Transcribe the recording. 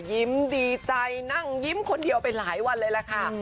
ยิ้มดีใจนั่งยิ้มคนเดียวไปหลายวันเลยล่ะค่ะ